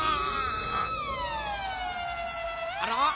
あら？